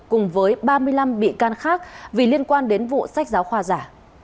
cùng với ba mươi năm bị can khác vì liên quan đến vụ sách giáo khoa giả